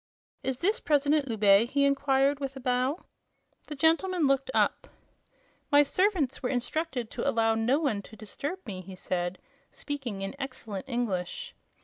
"Is this President Loubet?" he inquired, with a bow. The gentleman looked up. "My servants were instructed to allow no one to disturb me," he said, speaking in excellent English.